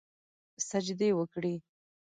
سجدې وکړي